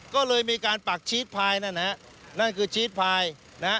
ก็เลยมีการปักชีสพายนั่นนะฮะนั่นคือชีสพายนะฮะ